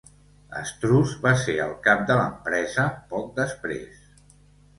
Strouse va ser el cap de l'empresa poc després.